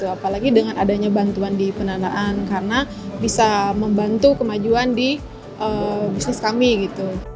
apalagi dengan adanya bantuan di pendanaan karena bisa membantu kemajuan di bisnis kami gitu